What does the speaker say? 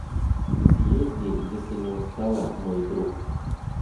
Съезди, если не устала, мой друг.